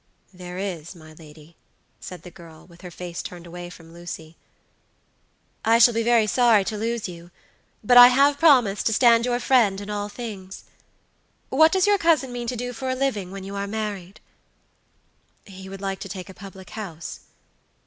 "There is, my lady," said the girl, with her face turned away from Lucy. "I shall be very sorry to lose you; but I have promised to stand your friend in all things. What does your cousin mean to do for a living when you are married?" "He would like to take a public house."